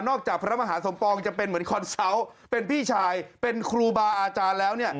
จากพระมหาสมปองจะเป็นเหมือนคอนเซาต์เป็นพี่ชายเป็นครูบาอาจารย์แล้วเนี่ย